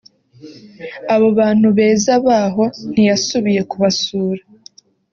abo bantu beza baho ntiyasubiye kubasura